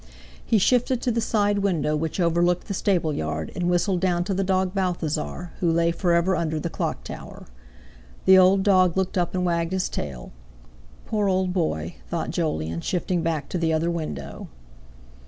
He shifted to the side window which overlooked the stableyard, and whistled down to the dog Balthasar who lay for ever under the clock tower. The old dog looked up and wagged his tail. "Poor old boy!" thought Jolyon, shifting back to the other window.